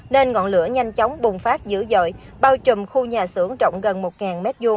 nên ngọn lửa nhanh chóng bùng phát dữ dội bao trùm khu nhà xưởng rộng gần một m hai